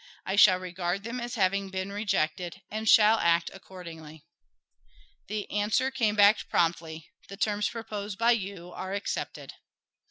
I shall regard them as having been rejected, and shall act accordingly. The answer came back promptly, "The terms proposed by you are accepted."